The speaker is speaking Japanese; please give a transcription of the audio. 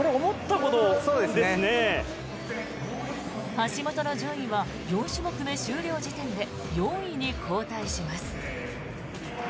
橋本の順位は４種目目終了時点で４位に後退します。